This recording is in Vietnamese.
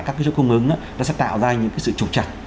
các cái trục cung ứng đó sẽ tạo ra những cái sự trục chặt